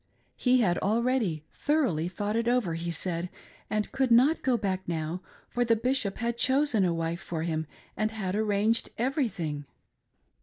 He had already thoroughly thought it over, he said, and could not go back now, for the Bishop had chosen a wife for him and had arranged everything.